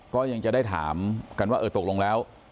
ก็ยังจะได้ถามกันว่าเออตกลงแล้ว